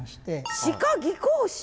歯科技工士？